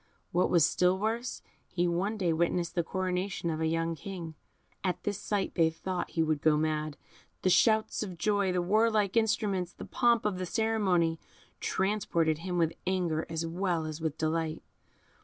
What was still worse, he one day witnessed the coronation of a young King. At this sight they thought he would go mad. The shouts of joy, the warlike instruments, the pomp of the ceremony, transported him with anger as well as delight.